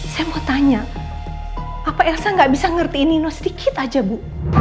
saya mau tanya apa elsa gak bisa ngerti nino sedikit aja bu